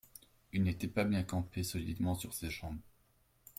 Il n'était pas campé bien solidement sur ses jambes.